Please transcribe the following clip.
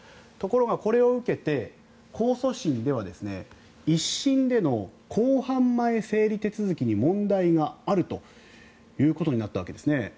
ところが、これを受けて控訴審では１審での公判前整理手続きに問題があるということになったんですね。